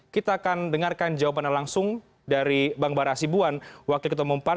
kita akan dengarkan jawabannya langsung dari bang bara asibuan wakil ketua umum pan